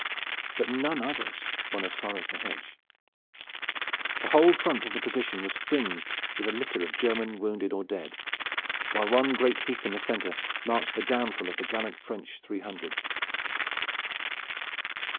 But none others won as far as the hedge. The whole front of the position was fringed with a litter of German wounded or dead, while one great heap in the center marked the downfall of the gallant French three hundred.